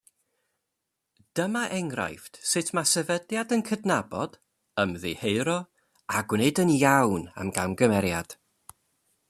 Dyma enghraifft sut mae sefydliad yn cydnabod, ymddiheuro a gwneud yn iawn am gamgymeriad.